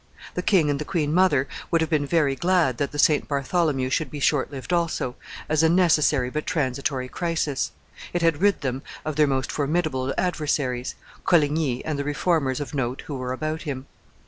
The king and the queen mother would have been very glad that the St. Bartholomew should be short lived also, as a necessary but transitory crisis; it had rid them of their most formidable adversaries, Coligny and the Reformers of note who were about him.